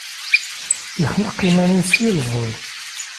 Yexneq iman-is s yileẓwi.